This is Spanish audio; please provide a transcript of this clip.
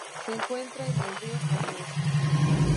Se encuentra en el río Amur.